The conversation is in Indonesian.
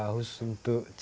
khusus untuk jaga pendanaan